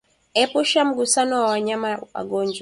Epusha mgusano na wanyama wagonjwa